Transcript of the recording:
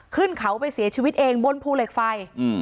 ขึ้นเขาไปเสียชีวิตเองบนภูเหล็กไฟ